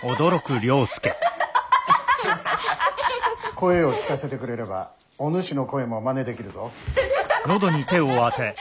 声を聞かせてくれればお主の声もまねできるぞ。